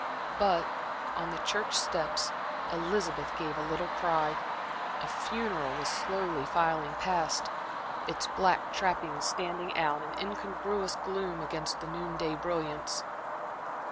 But on the church steps Elizabeth gave a little cry. A funeral was slowly filing past, its black trappings standing out in incongruous gloom against the noon day brilliance.